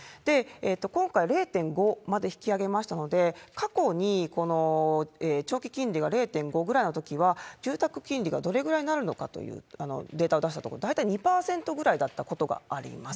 今回、０．５まで引き上げましたので、過去にこの長期金利が０．５ぐらいのときは、住宅金利がどれぐらいになるのかというデータを出したところ、大体２％ぐらいだったことがあります。